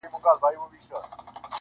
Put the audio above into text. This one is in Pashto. چي پرې ایښي چا و شاته هنري علمي آثار دي,